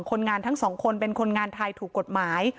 คนงานทั้งสองคนเป็นคนงานไทยถูกกฎหมาย